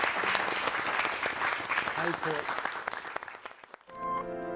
最高！